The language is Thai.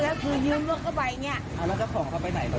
แล้วตอนนี้เจ้าของเขาเข้าไปไหน